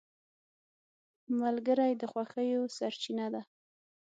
ملګری د خوښیو سرچینه ده